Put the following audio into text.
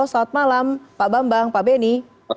selamat malam pak bambang pak beni